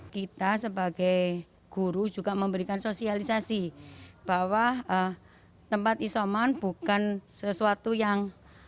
kita sebagai guru juga memberikan sosialisasi bahwa tempat isoman bukan sesuatu yang